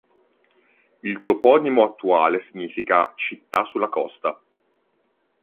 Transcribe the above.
Il toponimo attuale significa "città sulla costa".